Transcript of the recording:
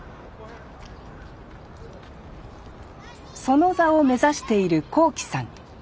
その座を目指している昂輝さん。